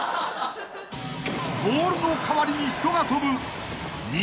［ボールの代わりに人がとぶ］